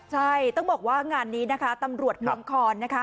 ใช่ต้องบอกว่างานนี้นะคะตำรวจเมืองคอนนะคะ